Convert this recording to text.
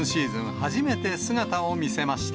初めて姿を見せました。